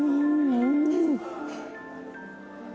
うん！